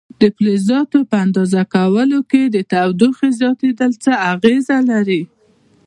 د فلزاتو په اندازه کولو کې د تودوخې زیاتېدل څه اغېزه لري؟